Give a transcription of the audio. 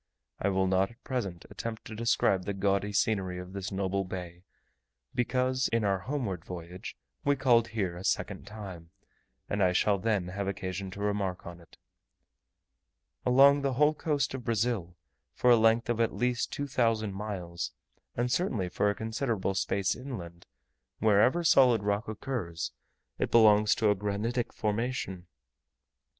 I will not at present attempt to describe the gaudy scenery of this noble bay, because, in our homeward voyage, we called here a second time, and I shall then have occasion to remark on it. Along the whole coast of Brazil, for a length of at least 2000 miles, and certainly for a considerable space inland, wherever solid rock occurs, it belongs to a granitic formation.